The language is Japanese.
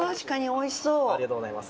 ありがとうございます。